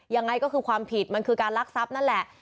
ยังไงก็คือความผิดมันคือการลักทรัพย์นั่นแหละ